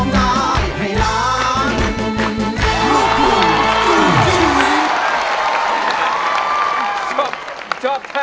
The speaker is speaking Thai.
ได้ครับโอเค